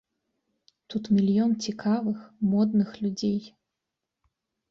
Тут мільён цікавых, модных людзей.